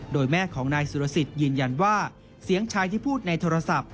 โดยแม่ของนายสุรสิทธิ์ยืนยันว่าเสียงชายที่พูดในโทรศัพท์